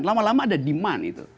lama lama ada demand itu